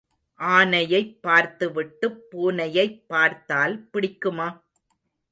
ஆனையைப் பார்த்துவிட்டுப் பூனையைப் பார்த்தால் பிடிக்குமா?